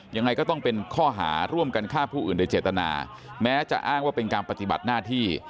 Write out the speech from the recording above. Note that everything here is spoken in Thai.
ยังไงก็ต้องเป็นข้อหาร่วมกันฆ่าผู้อื่นโดยเจตนาแม้จะอ้างว่าเป็นการปฏิบัติหน้าที่